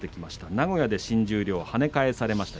名古屋で新十両をはね返されました。